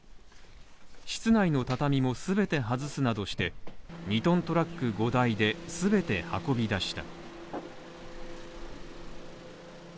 室内の畳も全て外すなどして、２ｔトラック５台で全て運び出した。